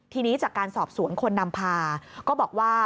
ทีนี้จากการสอบสวนคนนำพาก็บอกว่า